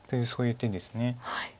そういう手です。